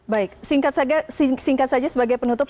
baik singkat saja sebagai penutup